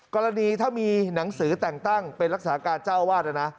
กรณีถ้ามีหนังสือแต่งตั้งเป็นรักษาการเจ้าวาดนะนะ